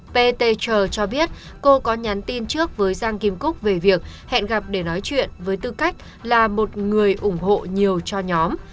ptcher cho biết cô có nhắn tin trước với giang kim cúc về việc hẹn gặp để nói chuyện với tư cách là một người ủng hộ nhiều cho nhóm